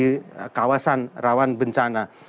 di kawasan rawan bencana